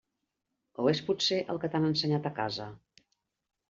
O és, potser, el que t'han ensenyat a casa?